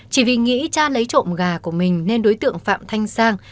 chỉ vì nghĩ cha lấy trộm gà của mình nên đối tượng phạm thanh sang